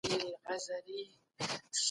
کتابتون ته د مطالعې لپاره وخت ورکړئ.